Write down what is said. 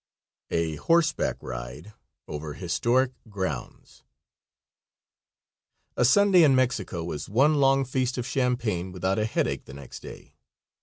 A HORSEBACK RIDE OVER HISTORIC GROUNDS. A Sunday in Mexico is one long feast of champagne, without a headache the next day.